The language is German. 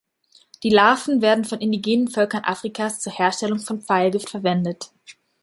Die Larven werden von indigenen Völkern Afrikas zur Herstellung von Pfeilgift verwendet.